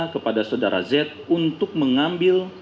kepada saudara z untuk mengambil